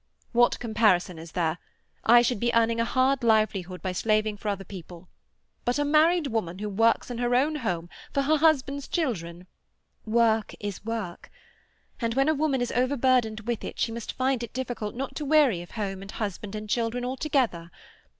"What comparison is there? I should be earning a hard livelihood by slaving for other people. But a married woman who works in her own home, for her husband's children—" "Work is work, and when a woman is overburdened with it she must find it difficult not to weary of home and husband and children all together.